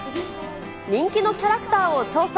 人気のキャラクターを調査。